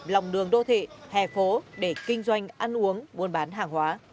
lòng đường đô thị hè phố để kinh doanh ăn uống buôn bán hàng hóa